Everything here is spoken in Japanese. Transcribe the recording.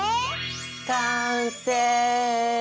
完成！